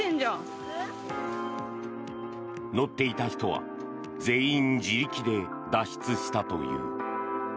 乗っていた人は全員自力で脱出したという。